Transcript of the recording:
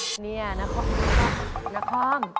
สนใจหรือยัง